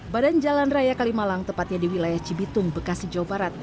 badan jalan raya kalimalang tepatnya di wilayah cibitung bekasi jawa barat